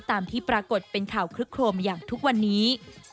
ตามที่ปรากฏเป็นข่าวคลึกโครมอย่างทุกวันนี้